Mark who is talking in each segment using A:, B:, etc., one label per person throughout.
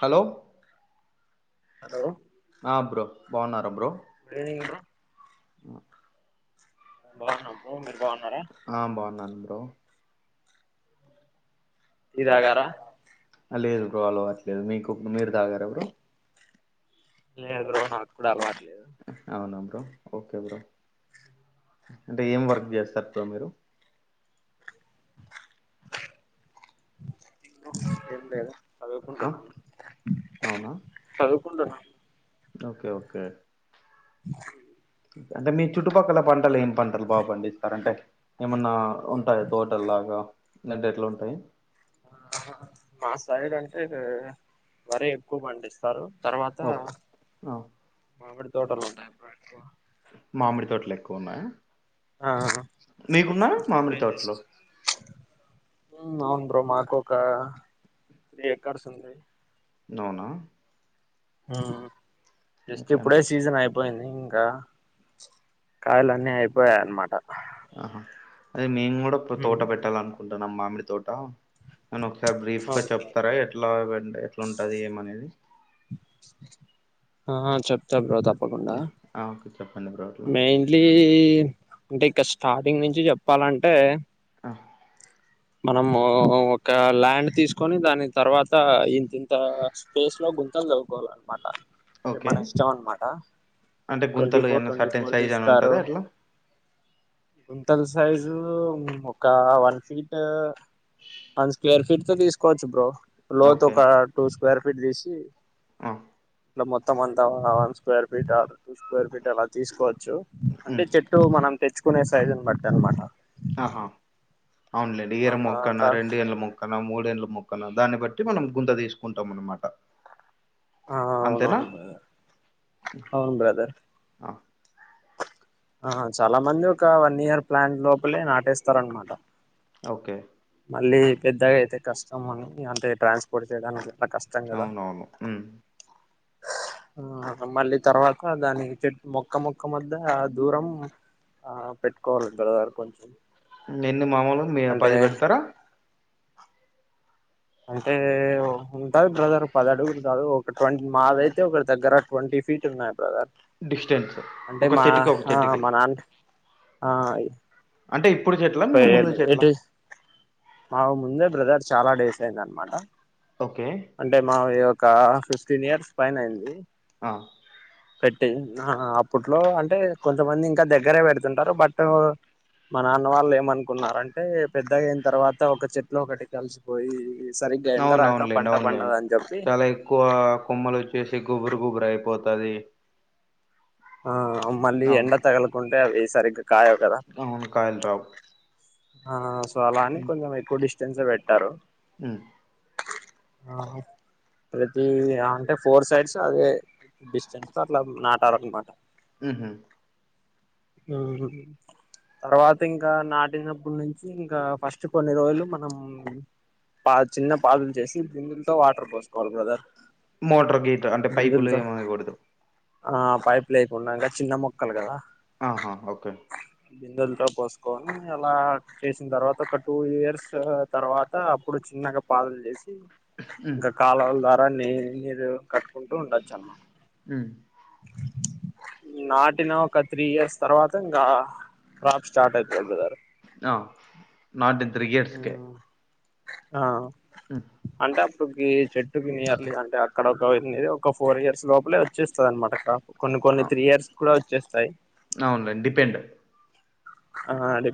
A: Hello
B: hello
A: ఆ bro బాగున్నారా bro
B: good evening bro
A: అ
B: బాన్నాం నువ్ మీరు బాన్నారా
A: లో
B: టీ తాగారా
A: లేదు బ్రో అలవాటు లేదు మీకు మీరు తాగారా బ్రో
B: లేదు బ్రో నా కూడా అలవాటు లేదు
A: అవునా బ్రో ఓకే బ్రో అంటే ఏం వర్క్ చేస్తారు బ్రో మీరు
B: ఏం లేదా
A: ఆ
B: చదువుకుంటున్న
A: అవునా
B: చదువు కుంటున్న
A: ఓకే ఓకే అంటే మీ చుట్టుపక్కల పంటలు ఏం పంటలు బాగా పండిస్తారు అంటే ఏమన్నా ఉంటాయి తోటల్లాగా [unintelligible] ఎట్లు ఉంటాయ్
B: ఆ మా సైడ్ అంటే వరి ఎక్కువ పండిస్తారు తర్వాత
A: ఓకే
B: మామిడి తోటలు ఉంటాయి బ్రో ఎక్కువ
A: మామిడి తోటలు ఎక్కువ ఉన్నాయా
B: ఆ
A: మీకున్న మామిడి
B: ఇప్పుడే
A: తోటలు
B: ఉమ్ అవును బ్రో మాకు ఒక త్రీ ఎకర్స్ ఉంది
A: నవునా
B: హ్మ్ జస్ట్
A: ఓకే
B: ఇప్పుడే
A: అంటే
B: సీజన్ అపోయింది ఇంకా కాయలున్నీ అయిపోయాయి అనమాట
A: ఆహా అదే మేమ్ కూడా తోట పెట్టాలఅనుకుంటా న మామిడి తోట నను ఒకసారి బ్రీఫ్ గా
B: ఓకే
A: చెప్తారా, ఎట్లా ఎట్లా ఉంటది. ఏమనేది
B: ఆహా చెప్త బ్రో తప్ తప్పకుండా
A: యా. ఆ ఓకే చెప్పండి బ్రో అట్లా
B: మెయిన్లీ అంటే ఇంకా స్టార్టింగ్ నుంచి చె చెప్పాలంటే
A: ఆ హ్
B: మనము ఒక ల్యాండ్ తీసుకొని దాని తర్వాత, ఇంతింత స్పేస్ లో గుంతలు తోవుకోవాలనమాట. అంటే
A: ఓకే
B: మన ఇష్టం అనమాట
A: అంటే
B: ట్వంటీ
A: గుంతలు
B: ఫోర్
A: ఏమన్నా
B: ట్వంటీ
A: సర్టెన్
B: ఫోర్
A: సైజ్ అని
B: తీస్తారు.
A: ఉంటదా అట్లా
B: మ్ తల సైజు ఒక వన్ ఫీట్ అంటే వన్ స్క్వేర్ ఫీట్ తో తీసుకోవచ్చు బ్రో
A: ఓకే
B: లోతోక టూ స్క్వేర్ [unintelligible] తీసి
A: ఆ
B: ఇట్లా మొత్తం అంతా వన్ స్క్వేర్ ఫీట్ తీసు స్క్వేర్ ఫీట్ అలా తీసుకోవచ్చు. అంటే
A: ఉమ్
B: చెట్టు మనం తెచ్చు కొనే సైజును బట్టి అనమాట
A: ఆహా అవునులేండి. ఇయర్ మొక్కన్నా
B: ఆ
A: రెండు ఎళ్ల మొక్క ఆ మూడెండ్ల మొక్కన దాన్ని బట్టి మనం గుంత తీసుకుంటాం. అనమాట
B: ఆ అవునవును బ్రదర్ అవును బ్రదర్
A: ఆ
B: ఆ చాలా మంది ఒక వన్ ఇయర్ ప్లాంట్ లోపలే నాటేస్తార అనమాట
A: ఓకే
B: మళ్ళీ పెద్దగా అయితే కష్టం అని అంటే ట్రాన్స్పోర్ట్ చేయడానికి ఇట్లా కష్టం కదా
A: అవునవును హ్మ్
B: ఆ మళ్ళీ తర్వాత దాని చెట్టు మొక్క మొక్క మద్య దూరం ఆ పెట్టుకోవాలి. బ్రదర్ కొంచెం
A: నెన్ని మామూలు మీ [unintelligible]
B: అంటే
A: పది పెడతారా
B: అంటే ఉంటది. బ్రదర్ పద అడుగులు కాదు. ఒక ట్వంటి మాది అయితే ఒకరి దగ్గర ట్వంటీ ఫీట్ ఉన్నాయి. బ్రదర్
A: డిస్టెన్స్
B: అంటే
A: ఒక చెట్టుకి ఒక చెట్టుకి
B: హాయ్
A: అంటీ
B: మావి ముందే బ్రదర్ చాలా డేస్ అయింద అనమాట
A: ఓకే.
B: అంటే మావయ్యో ఒక ఫిఫ్టీన్ ఇయర్స్ పైన అయింది.
A: ఆ!
B: అప్పట్లో అంటే కొంతమంది ఇంకా దగ్గరే పెడుతుంటారు. బట్ మా నాన్న వాళ్ళు ఏమనుకున్నారు. అంటే పెద్దగా అయిన తర్వాత ఒక చెట్లులో ఒకటి కలిసిపోయి సరిగ్గా ఎండ రాక పంట
A: అవునులెండి
B: పండదని చెప్పి
A: చాలా ఎక్కువా కొమ్మలొచ్చేసి గుబు పురుగు గురి అయిపోతది
B: ఆ ఆ మళ్ళీ
A: అవును.
B: ఎండ తగలకుంటే అవి సరిగ
A: అవును కాయలు రావు
B: ఆ అలా అని కొంచం ఎక్కువ డిష్ టెన్స్ పెట్టారు
A: ఉమ్
B: ప్రతి అంటే ఫోర్ సైడ్స్ అదే డిస్టెన్స్ తో అట్లా నాటారనమాట
A: ఊహుమ్
B: తర్వాత ఇంకా నాటినం అప్పుడు నుంచి ఇంకా ఫస్ట్ కొన్ని రోజులు మనం పా చిన్న పాదులు చేసి బిందులతో వాటర్ పోసుకోవాలి బ్రదర్
A: మోటర్ గేట్ అంటే పైపులు
B: బిందులతో
A: ఏమొయ్యకూడదు
B: ఆ పైపు లేకుండానే చిన్న మొక్కలు కదా
A: ఆహా ఓకే
B: బిందులతో పోసుకొని అలా చేసిన తర్వాత ఒక టూ ఇయర్స్ తర్వాత అప్పుడు చిన్నగా పాదులు చేస్
A: హ్మ్.
B: ఇంకా కాల్వల దా దాన్ని మీరు కట్టుకుంటూ ఉండొచ్చు అన్మాట
A: ఉమ్
B: నాటిన ఒక త్రీ ఇయర్స్ తర్వాత ఇంకా క్రాప్ స్టార్ట్ అయితది బ్రదరు
A: ఆ నాటి త్రీ ఇయర్స్ కే
B: ఆ
A: ఉమ్
B: అంటే అప్పుడుకి చెట్టుకి నియర్లీ అంటే అక్కడొక ఒక ఫోర్ ఇయర్స్ లోపలే వచ్చేస్తదనమాట కొన్ని కొన్ని త్రీ ఇయర్స్ కూడా వచ్చేస్తాయి
A: అవునులే డిపెండ్
B: ఆ అదే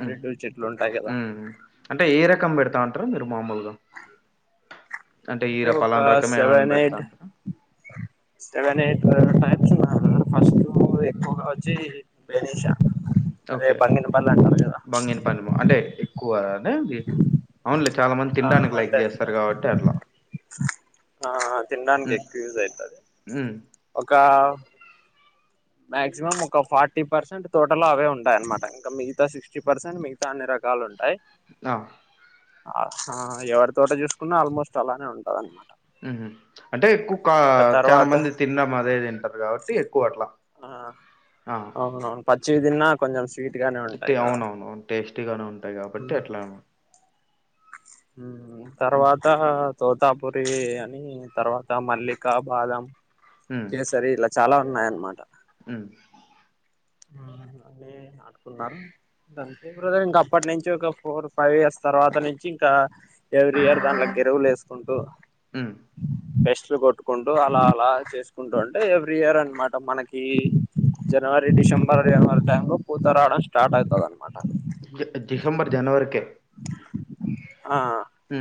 A: హ్మ్.
B: చెట్లు ఉంటాయి కదా
A: హ్మ్. అంటే ఏ రకం పెడతా మీరు మామూల్ అంటే ఈ
B: ఒక
A: పాలన రకమే ఏమన్
B: సెవెన్
A: పెడతా
B: ఎయిట్ సెవెన్ ఎయిట్ టైమ్స్ ఆ ఫస్ట్ ఎక్కువగా వచ్చి [unintelligible] అదే
A: ఓకే
B: బంగిన పల్లి అంటారు కదా
A: బంగిను పల్లిమ అంటే ఎక్కువ అవును లే
B: ఆ అంటే ఆ తినడానికి
A: ఉమ్
B: ఎక్కువ యూస్ అవుతాది
A: ఉమ్
B: ఒక మాక్సిమం ఒక ఫార్టీ పర్సెంట్ టోటలో అవే ఉంటాయి అన్నమాట ఇంకా మిగతా సిక్స్టీ పర్సెంట్ మిగతా అన్ని రకాలు ఉంటాయి
A: ఆ
B: ఆ ఎవరి తోట చూసుకున్నా ఆల్మోస్ట్ అలానే ఉంటద అనమాట
A: ఉమ్ అంటే ఎక్కువ కా
B: ఇంకా
A: చాలా
B: తర్వాత
A: మంది తిన్నా అదే తింటారు కాబట్టి ఎక్కువ అట్లా
B: ఆ అవును అవును ప చిది తిన్న కొంచెం స్వీట్ గానే ఉంటాయి కదా
A: అవున అవునువు టేస్టీ గానే ఉంటాయి కాబట్టి అట్లా అనమా
B: ఉమ్ తర్వాత తోటా పూరి అని తర్వాత మల్లిక బాదం కే సరి ఇలా చాలా ఉన్నాయనమట
A: అ
B: అని అనుకున్నారు అంతే ఇంక అప్పటి నుంచి ఒక ఫోర్ ఫైవ్ ఇయర్స్ తర్వాత నుంచి కా ఎవ్రీ ఇయర్ దానిలో ఎరువులు వేసుకుంటూ
A: ఉమ్
B: బెస్ట్ లు కొట్టుకుంటూ అలా అలా చేసుకుంటూ ఉంటే ఎవ్రీ ఇయర్ అనమాట మనకి జనవరి డిసెంబర్ జనవరి టైంలో పూత రావడం స్టార్ట్ అవుతుంది అనమాట
A: డిసెంబర్ జనవరికి
B: ఆ
A: హ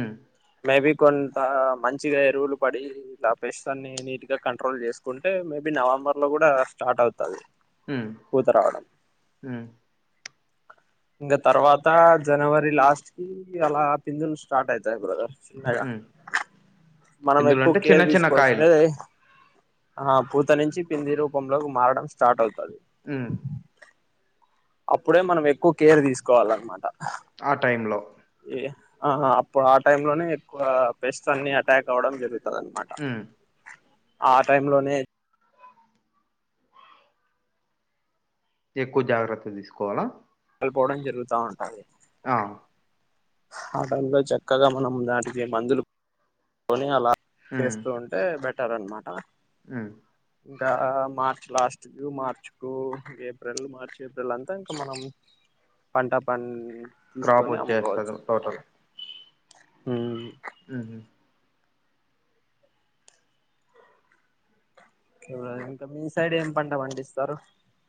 B: మేబీ కొంత మంచిగా ఎరువులు పడి ఇలా పెస్ర్న్ని నీట్గా కంట్రోల్ చేసుకుంటే మేబీ నవంబర్లో కూడా స్టార్ట్ అవుతుంది
A: హ
B: ఇంకా తర్వాత జనవరి లాస్ట్ కి అలా పిందులు స్టార్ట్ అవుతాయి బ్రదర్ చిన్నగా
A: ఉమ్
B: మనం
A: పిందులు
B: ఎక్కువ
A: అంటే చిన్న
B: కేర్
A: చిన్న కాయలు
B: తీసుకోవాల్సినది ఆ పూత నుంచి పింది రూపంలోకి మారడం స్టార్ట్ అవుతుంది
A: అ
B: అప్పుడే మనం ఎక్కువ కేర్ తీసుకోవాలన్నమాట
A: ఆ టైమ్ లో
B: ఆ అప్పుడు ఆ టైమ్ లోనే ఎక్కువ పెస్ట్ అన్ని అటాక్ అవ్వడం జరుగుంది ద అన మాట
A: ఉమ్
B: ఆ టై లోనే
A: ఎక్కువ జాగ్రత్త తీసుకోవాలా
B: కపోవడం జరుగుతా ఉంటుది
A: ఆ
B: ఆ టైమ్ లో చక్కగా మనం దాటిక మందులు పోనీ అలా చేస్తూ ఉంటే బట్ట ఉంటారాన్నమాట
A: ఉహ్మ్
B: ఇంకా మార్చ్ లాస్ట్కి మార్చ్ కు ఏప్రిల్ మార్చి ఏప్రిల్ అంతా ఇంకా మనం పంట పని
A: క్రాప్ వచ్చేస్తది టోటల్
B: ఉహ్మ్
A: ఉహ్మ్
B: ఇ ఇంకా మీ సైడ్ ఏం పంట పండిస్తారు.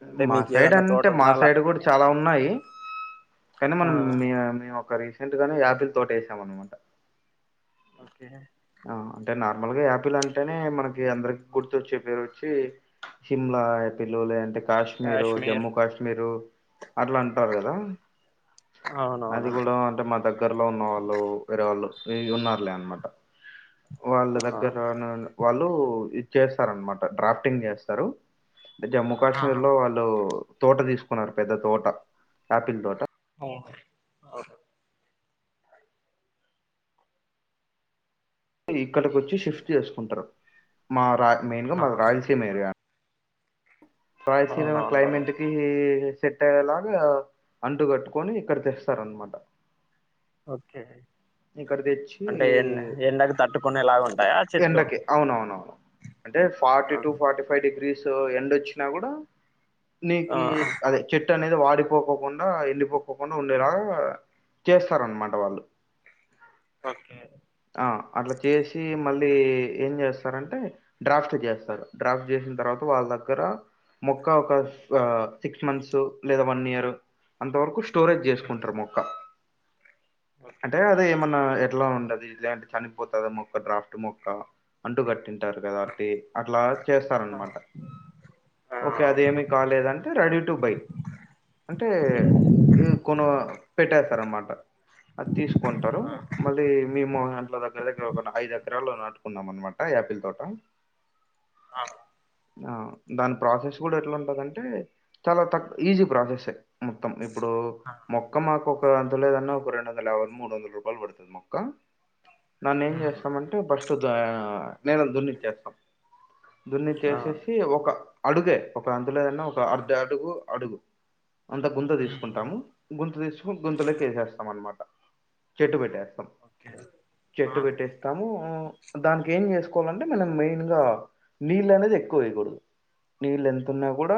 B: అంటే
A: మా
B: మీకు
A: సైడ్
B: ఏదన్నా తోట
A: అంటే మా
B: ఉందా అలా
A: సైడ్ కూడా చాలా ఉన్నాయి. కానీ
B: ఆ
A: మనం మేము ఒక రీసెంట్ గానే యాపిల్ తోట వేసాం అనమాట.
B: ఓకే
A: ఆ, అంటే నార్మల్గా యాపిల్ అంటేనే మనకి అందరికి గుర్తుొచ్చే పేరు వచ్చి సిమ్లా యాపిల్ లేదంటే కాశ్మీరు,
B: కాశ్మీర్
A: జమ్మూ కాశ్మీరు. అట్లా అంటారు కదా. అది
B: అవునవును
A: కూడా అంటే మా దగ్గరలో ఉన్నవాళ్ళు వేరేవాళ్ళు ఉన్నారులే అనమాట. వాళ్ళ దగ్గర వాళ్ళు ళ్ళు ఇది చేస్తారనమాట డ్రాఫ్టింగ్ చేస్తారు. జమ్మూ కాశ్మీర్ లో వాళ్ళు తోట తీసుకున్నారూ. పెద్ద తోట, ఆపిల్ తోట
B: అవును అవును
A: ఇక్కడికొచ్చి షిఫ్ట్ చేసుకుంటారు మా రా మెయిన్గా మది రాయలసీమ ఏరియా అ రాయలసీన్మ
B: అవునవును బాగా
A: క్లైమెంట్కి సెట్ అయ్యేలాగా అంటు కట్టుకొని ఇక్కడ తెస్తారన్నమాట.
B: ఓకే
A: తెచ్చి
B: అంటే ఎన్ ఎండకు తట్టుకునేలాగా ఉంటాయా చెట్లు
A: ఎండకి అవునవునవును అంటే ఫార్టీ
B: ఆ
A: to forty five degrees so ఎండొచ్చినా కూడా
B: ఆ
A: నీకి అదే చెట్ ట్ అనేది వాడిపోకోకుండా, ఎండిపోకోకుండా ఉండేలాగా చేస్తారన్నమాట వాళ్ళు
B: ఓకే
A: ఆ అట్లా చేసి మళ్ళీ ఏం చేస్తారంటే డ్రాఫ్ట్ చేస్తారు. డ్రాఫ్ట్ చేసిన తర్వాత వాళ్ళ దగ్గర మొక్క ఒక స సిక్స్ మంత్స్ లేదా వన్ ఇయర్ అంతవరకు స్టోరేజ్ చేసుకుంటరు. మొక్క అంటే అది ఏమన్నా ఎట్లా ఉండది. అంటే చనిపోతదా మొక్క డ్రాఫ్ట్ మొక్క అంటు కట్టి టారు కదా అంటే అట్లా చేస్తారన్నమాట. ఒకే అది ఏమి కాలేదంటే రెడీ టూ బై. అంటే
B: హ్మ్.
A: కొన్ పెట్టేత్తరన్నమాట అది తీసుకుంటరు. మళ్ళీ మీ అట్ల దగ్గర దగ్గర ఒక న ఐదు ఎకరాలు నాటుకున్నాం అనమాట. యాపిల్ తోట
B: ఆ
A: ఆ దాని ప్రాసెస్ కూడా ఎట్లుంటదంటే చాలా తక్కు ఈజీ ప్రాసెస్సే మొత్తం ఇప్పుడు మొక్క మాకు అంత లేదన్న ఒక రెండువందలయాబై మూడు వందల రూపాయలు పడుతుంది మొక్క దాన్నేం చేస్తామంటే ఫస్ చూద్దాం నేల దున్నిచ్చేస్తాం
B: ఆ!
A: దున్నిచ్చేసేసి ఒక అడుగే ఒక అంతులేదన్నా ఒక అర్ధ అడుగు అడుగు అంత గుంత తీసుకుంటాము గుంత తీసుకు గుంతలోక వేసేస్తాం అనమాట చెట్టు పెట్ట స్థాం చెట్టు పెట్టేస్తాము హ్మ్, దానికి ఏం చేసుకోవాలంటే మనం మెయిన్‌గా నీళ్లనేది ఎక్కువ వెయ్యకూడదు నీళ్లనే న్నా కూడా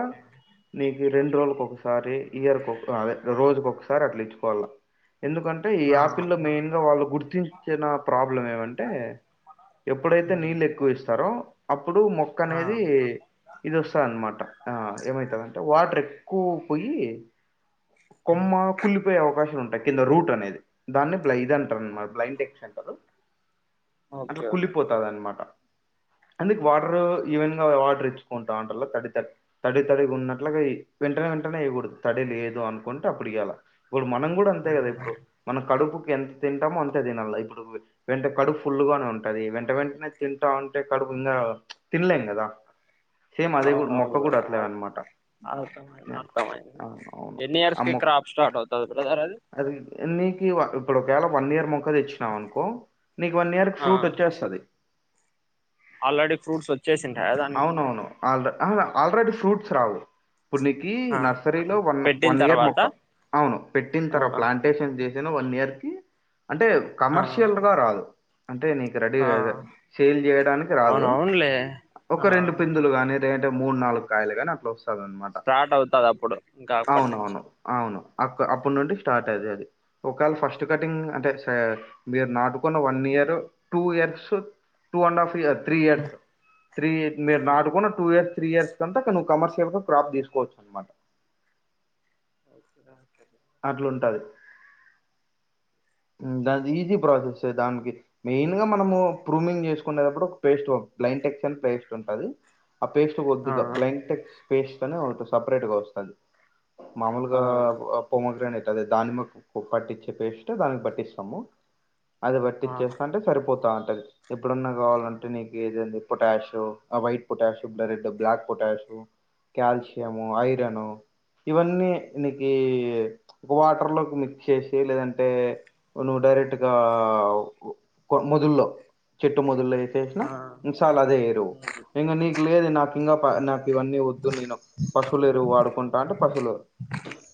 A: నీకు రెండు రోజులక ఒకసారి ఇయర్కి అదే రోజుక ఒకసారి అట్లా ఇచ్చుకోవాల ఎందుకంటే ఈ యాపిల్లో మెయిన్ గా వాళ్ళు గుర్తించ చిన్న ప్రాబ్లం ఏమంటే ఎప్పుడైతే నీళ్ళు ఎక్కువ ఇస్తారో అప్పుడు మొక్క అనేది ఇది వస్తది అనమాట ఏమైతుందంటే వాటర్ ఎక్ ఎక్కువ పోయి కొమ్మ కుల్లిపోయే అవకాశాలు ఉంటాయి కింద రూట్ అనేది దాన్ని ప్లైద అంటారు మ బ్లండ్ ఎ టారు
B: ఓకే ఓకే
A: అట్లకుల్లిపోతాది అనమాట అందుకు వాటర్ ఈవెన్ వాటర్ ఇచ్చుకుంటాం అంటలో తడి తడి తడి తడి ఉన్నట్లుగా వెంటనే వెంటనే వేయకూడదు తడి లేదు అనుకుంటే అప్పుడు ఇయ్యాలా ఇప్పుడు మనం కూడా అంతే కదా ఇప్పుడు మన కడుపు ఎంత తింటాము అంతే తినాలి వెంట కడుపూ ఫుల్గానే ఉంటది వెంట వెంటనే తింటా ఉంటే కడుపు ఇంకా తినలేం కదా సేమ్ అదే కూడా
B: అవునవును
A: మొక్క కూడా
B: బ్రదర్
A: అట్లనే
B: అర్
A: అనమాట
B: అర్థమైంది అర్థమైంది ఎన్ని
A: ఆ
B: ఇయర్స్ కి
A: మొ
B: క్రాప్ స్టార్ట్ అవుతది బ్రదర్ అది
A: అదికి ఇక్కడ ఒకవేళ వన్ ఇయర్ మొక్క తెచ్చు అనుకో నీకు వన్ ఇయర్
B: ఆ
A: ఫ్రూట్ వచ్చేస్తది
B: ఆల్రెడీ ఫ్రూట్స్ వచ్చేసింటాయా దానికి
A: అవునవును ఆహ్ ఆల్రెడి ఫ్రూట్ రావు ఇప్పుడు నీకి
B: ఆ
A: నర్సరీలో వన్
B: పెట్టిన
A: వన్ ఇయర్
B: తర్వాత
A: మొక్క అవును పెట్టిన
B: ఆ
A: తర్వా ప్లాంటేషన్ చే వన్ ఇయర్ కి అంటే
B: ఆ
A: కమర్షియల్గా రాదు. అంటే నీకు రెడీ
B: ఆ
A: సేల్ చేయడానికి రాదు.
B: అవునవునులే ఆ
A: ఒక రెండు పిందులు గానీ అంటే మూడు నాలుగు కాయలు గానీ అట్లు నమాట
B: స్టార్ట్ అవుతది అప్పుడు ఇంకా అప్పటి నుంచి
A: అవునవును అవును అ అప్పుడునుండి స్టార్ట్ అయిది. అది ఒకవేళ ఫస్ట్ కటింగ్ అంటే సే మీరు నాటుకున్న one year, two years, two and half year three years three ఇ మీరు
B: హ్మ్.
A: నాటుకున్న టూ ఇయర్స్. త్రీ ఇయర్స్ కంటా నువ్వు కమర్షియల్ ప్రాప్ తీసుకోవచ్చు అనమాట
B: ఒకే
A: అట్లా ఉంటది. దాన్ది ఈజీ ప్రాసెస్ దానికి మెయిన్ గా మనము ప్రూమింగ్ చేసుకునేటప్పుడు, ఒక పేస్ట్ బ్లైన్ ట ఎక్స్న్ పేస్ట్ ఉంటుంది. ఆ పేస్ట్
B: ఆ
A: వద్దిగా బ్లాంక్ట్స్ పేస్తోనే ఒక సపరేట్ గా వస్తుంది. మామూలుగా
B: ఆ
A: అ ముందుగానే అయితది దాని పట్టించే పేస్ట్ దానికి పట్టిస్తాము. అది బట్టి
B: ఆ
A: ఇచ్చేస్తా అంటే సరిపోతా ఎప్పుడున్నా కావాలంటే నీకు ఏద potash white potash red black potash, calcium, iron ఇవన్నీ నీకు వాటర్ లో మిక్స్ చేసి లేదంటే నువ్వు డైరెక్ట్గా మదుల్లో చెట్టు మ వసేసినా
B: ఆ
A: చాల అదే ఎరువు ఇంకా నీకు లేదు. నాకు ఇంకా నాకు ఇవన్నీ వద్దు. నేను పశువులు ఎరువు వాడుకుంటా అంటే పశువులు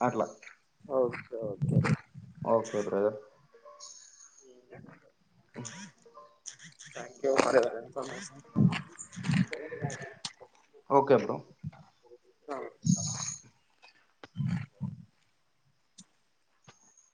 A: అట్లా
B: ఓకే ఓకే
A: ఓకే ప్రజ అ [unintelligible]
B: అహో [unintelligible] థాంక్యూ మ ష [unintelligible]
A: ఓకే బ్రో
B: ఆ [unintelligible]